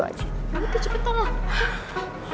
nanti cepetan lah